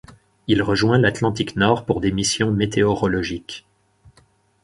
Il rejoint l'Atlantique Nord pour des missions météorologiques.